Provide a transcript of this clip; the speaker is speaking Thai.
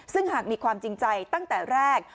ซึ่งหากมีความจริงใจตั้งแต่แรก